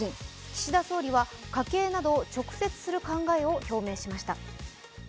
岸田総理は家計など直接支援する考えを表明しました。